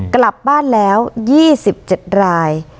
กลับบ้านแล้ว๒๗ราย